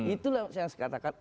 itulah yang saya katakan